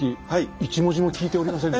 １文字も聞いておりませんでした。